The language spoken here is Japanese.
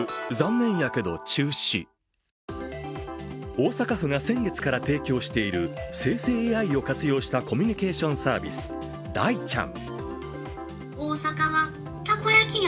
大阪府が先月から提供している生成ＡＩを活用したコミュニケーションサービス、大ちゃん。